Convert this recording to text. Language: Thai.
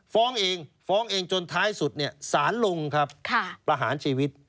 ฟ้องเองฟ้องเองจนท้ายสุดสานลงประหารชีวิต